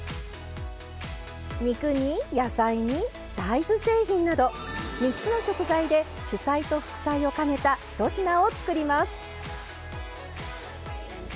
肉に野菜に大豆製品など３つの食材で主菜と副菜を兼ねた１品を作ります。